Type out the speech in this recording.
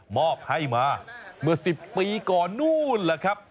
อบให้มาเมื่อ๑๐ปีก่อนนู่นแหละครับ